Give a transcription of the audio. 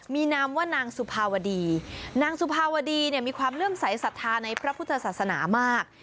มีนามว่านางสุภาวดีนางสุภาวดีเนี่ยมีความเลื่อมใสสัทธาในพระพุทธศาสนามาก